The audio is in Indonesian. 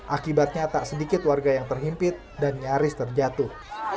akibatnya tak sedikit warga yang terhimpit dan nyaris terjatuh